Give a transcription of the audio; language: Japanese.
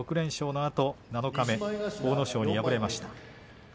６連勝のあと七日目阿武咲に敗れました。